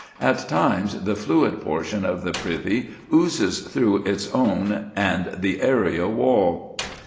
At times the fluid portion of the privy oozes through its own and the area wall.